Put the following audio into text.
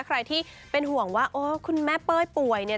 ใครที่เป็นห่วงว่าโอ้คุณแม่เป้ยป่วยเนี่ย